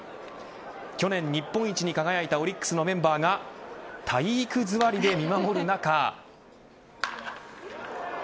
去年日本一に輝いたオリックスのメンバーが体育座りで見守る中。